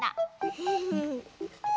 フフフフ。